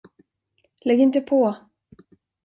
Lägg inte på!